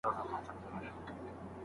د مرتد لپاره ځانګړی حکم سته.